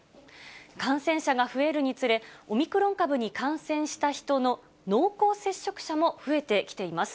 感染者が増えるにつれ、オミクロン株に感染した人の濃厚接触者も増えてきています。